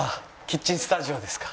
キッチンスタジオですか？